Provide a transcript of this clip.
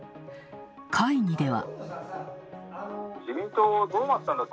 会議では。